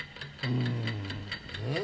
うん？